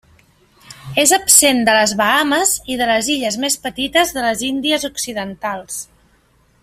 És absent de les Bahames i de les illes més petites de les Índies Occidentals.